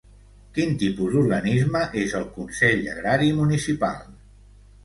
Quin tipus d'organisme és el Consell Agrari Municipal?